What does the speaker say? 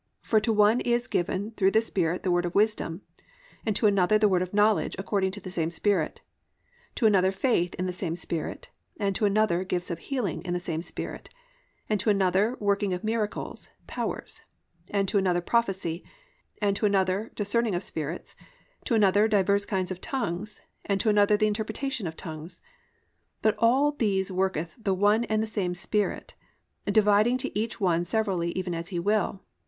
... (8) for to one is given through the Spirit the word of wisdom; and to another the word of knowledge, according to the same Spirit; (9) to another faith, in the same Spirit; and to another gifts of healing, in the same Spirit; (10) and to another workings of miracles (powers); and to another prophecy; and to another discerning of spirits; to another divers kinds of tongues, and to another the interpretation of tongues; (11) but all these worketh the one and the same Spirit, dividing to each one severally even as He will.